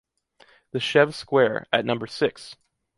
the Chèvres Square, at number six.